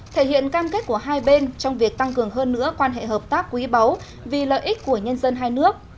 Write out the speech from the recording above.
thể hiện cam kết của hai bên trong việc tăng cường hơn nữa quan hệ hợp tác quý báu vì lợi ích của nhân dân hai nước